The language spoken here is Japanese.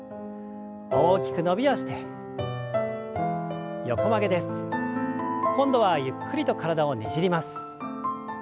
大きく伸びをして横曲げです。今度はゆっくりと体をねじります。